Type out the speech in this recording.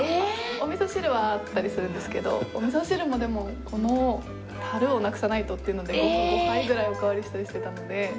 おみそ汁はあったりするんですけどおみそ汁もでもこのタルをなくさないとっていうので５杯ぐらいおかわりしたりしてたので。